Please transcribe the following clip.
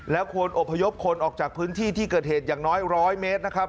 ควรอบพยพคนออกจากพื้นที่ที่เกิดเหตุอย่างน้อย๑๐๐เมตรนะครับ